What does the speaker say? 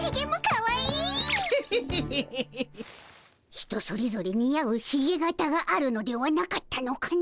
人それぞれ似合うひげ形があるのではなかったのかの？